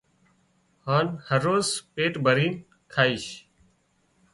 هانَ هروز پيٽ ڀرينَ کائيش